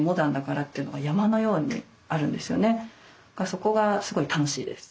そこがすごい楽しいです。